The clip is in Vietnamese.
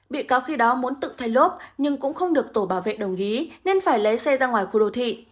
bị cáo khi đó muốn tự thay lốp nhưng cũng không được tổ bảo vệ đồng ý nên phải lấy xe ra ngoài khu đô thị